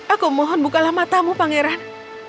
aku mohon bukalah matamu pangeran